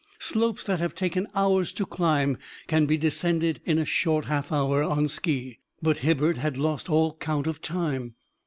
Slopes that have taken hours to climb can be descended in a short half hour on ski, but Hibbert had lost all count of time.